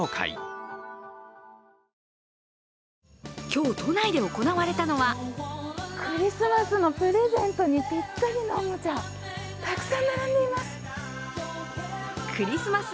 今日、都内で行われたのはクリスマスのプレゼントにぴったりのおもちゃたくさん並んでいます。